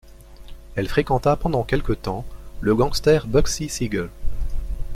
Elle fréquenta pendant quelque temps le gangster Bugsy Siegel.